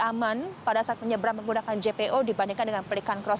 aman pada saat menyeberang menggunakan jpo dibandingkan dengan pelikan cross